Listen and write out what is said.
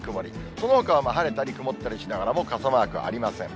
そのほかは晴れたり曇ったりしながらも、傘マークありません。